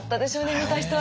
見た人は。